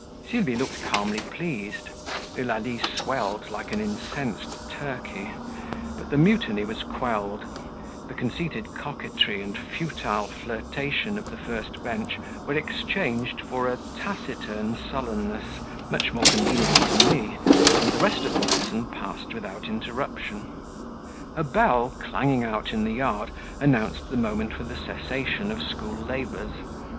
Sylvie looked calmly pleased, Eulalie swelled like an incensed turkey, but the mutiny was quelled: the conceited coquetry and futile flirtation of the first bench were exchanged for a taciturn sullenness, much more convenient to me, and the rest of my lesson passed without interruption. A bell clanging out in the yard announced the moment for the cessation of school labours.